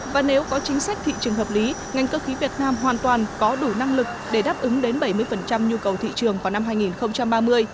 và nếu có chính sách thị trường hợp lý ngành cơ khí việt nam hoàn toàn có đủ năng lực để đáp ứng đến bảy mươi nhu cầu thị trường vào năm hai nghìn ba mươi